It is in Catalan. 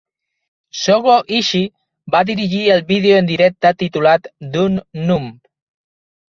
Sogo Ishii va dirigir el vídeo en directe titulat "Dumb Numb".